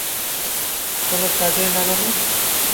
কোনো কাজের না মানে?